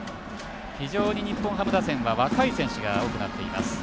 非常に日本ハム打線は若い選手が多くなっています。